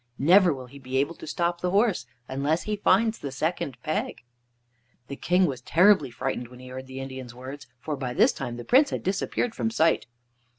Never will he be able to stop the horse unless he finds the second peg." The King was terribly frightened when he heard the Indian's words, for, by this time, the Prince had disappeared from sight.